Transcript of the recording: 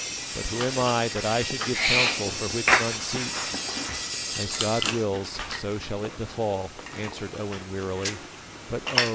But who am I that I should give counsel for which none seek?" "As God wills, so shall it befall," answered Owen wearily; "but oh!